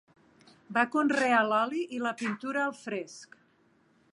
Va conrear l'oli i la pintura al fresc.